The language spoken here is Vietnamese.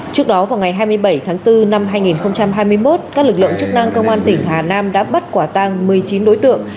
trước đó vào ngày hai mươi bảy tháng bốn năm hai nghìn hai mươi một các lực lượng chức năng công an tỉnh hà nam đã bắt quả tăng một mươi chín đối tượng